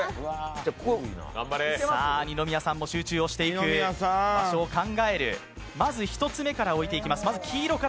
さあ二宮さんも集中して場所を考える、まず１つ目から置いていきます。